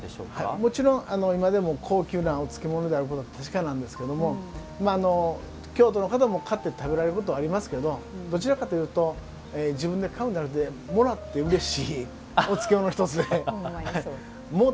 もちろん今でも高級なお漬物であることは確かなんですけど京都の方も買って食べられることはありますが自分じゃ買うのでなくもらってうれしいお漬物として。